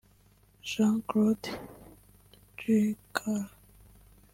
Jean-Claude Juncker